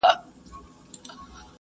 ټول لګښت دي درکومه نه وېرېږم.